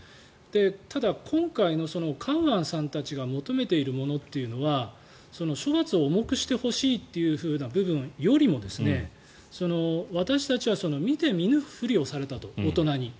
ただ、今回のカウアンさんたちが求めているというのは処罰を重くしてほしいという部分よりも私たちは見て見ぬふりをされたと大人に。